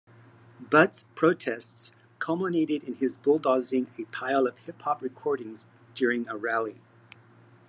Butts' protests culminated in his bulldozing a pile of hip-hop recordings during a rally.